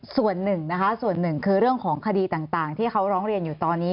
ส่วนหนึ่งนะคะส่วนหนึ่งคือเรื่องของคดีต่างที่เขาร้องเรียนอยู่ตอนนี้